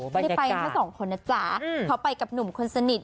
ไม่ได้ไปถ้าสองคนนะจ๊ะเขาไปกับหนุ่มคนสนิท